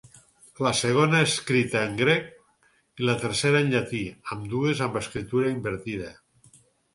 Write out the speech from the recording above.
La segona està escrita en grec, i la tercera en llatí, ambdues amb l'escriptura invertida.